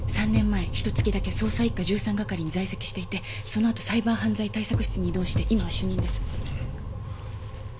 ３年前ひと月だけ捜査一課１３係に在籍していてそのあとサイバー犯罪対策室に異動して今は主任です。